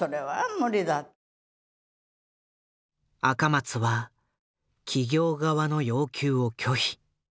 赤松は企業側の要求を拒否。